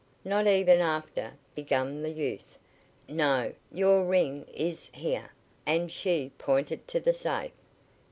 "Not even after " began the youth: "No. Your your ring is here," and she, pointed to the safe.